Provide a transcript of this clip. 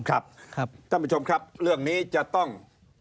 ท่านผู้ชมครับเรื่องนี้จะต้อง